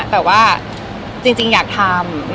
แต่ว่าจริงอยากทำ